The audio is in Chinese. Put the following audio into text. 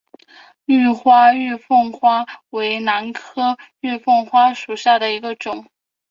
绿花玉凤花为兰科玉凤花属下的一个种。